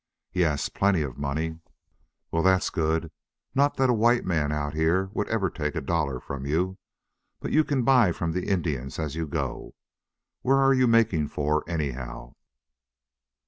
"Yes, plenty of money." "Well, that's good. Not that a white man out here would ever take a dollar from you. But you can buy from the Indians as you go. Where are you making for, anyhow?"